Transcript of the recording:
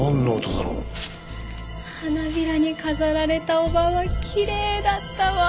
花びらに飾られた叔母はきれいだったわ。